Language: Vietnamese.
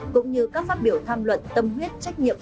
cũng như các phát biểu tham luận tâm huyết trách nhiệm